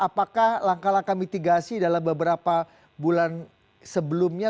apakah langkah langkah mitigasi dalam beberapa bulan sebelumnya